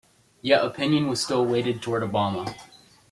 Yet opinion was still weighted toward Obama.